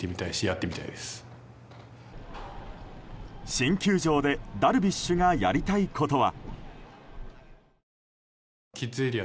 新球場でダルビッシュがやりたいことは？